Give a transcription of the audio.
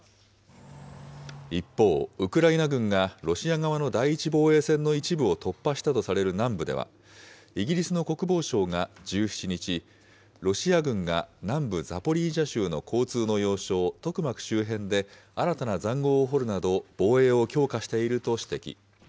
一方、ウクライナ軍がロシア側の第１防衛線の一部を突破したとされる南部では、イギリスの国防省が１７日、ロシア軍が南部ザポリージャ州の交通の要衝、トクマク周辺で新たなざんごうを掘るなど、防衛を強化していると指摘。